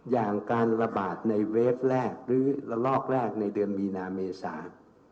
อย่างการระบาดในเวฟแรกหรือละลอกแรกในเดือนมีนาเมษา